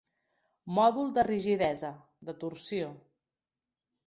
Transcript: Mòdul de rigidesa, de torsió.